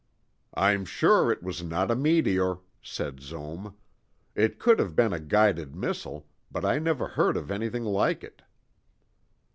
"I'm sure it was not a meteor," said Zohm. "It could have been a guided missile, but I never heard of anything like it."